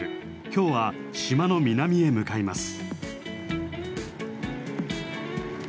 今日は島の南へ向かいます。